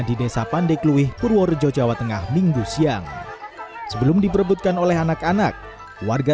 di desa pandekluih purworejo jawa tengah minggu siang sebelum diperbutkan oleh anak anak warga